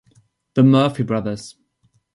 The Murphy brothers.